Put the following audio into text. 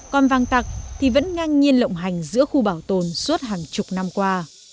còn vàng tặc thì vẫn ngang nhiên lộng hành giữa khu bảo tồn suốt hàng chục năm qua